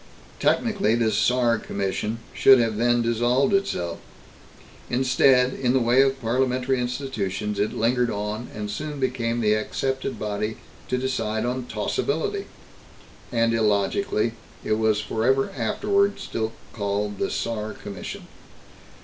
Technically, this "Saar Commission" should have then dissolved itself. Instead, in the way of parliamentary institutions, it lingered on and soon became the accepted body to decide on tossability. And, illogically, it was forever afterwards still called the "Saar Commission."